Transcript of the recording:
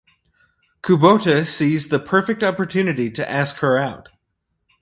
Kubota sees the perfect opportunity to ask her out.